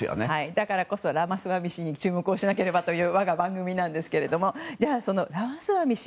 だからこそラマスワミ氏に注目しなければという我が番組なんですけれどもじゃあ、そのラマスワミ氏